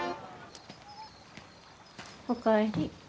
お帰り。